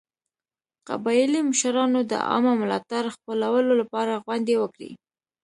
قبایلي مشرانو د عامه ملاتړ خپلولو لپاره غونډې وکړې.